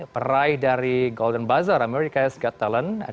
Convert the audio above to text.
peraih dari golden bazaar america's got talent